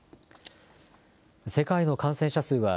世界の感染者数は